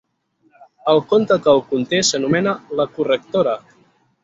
El conte que el conté s'anomena "La correctora".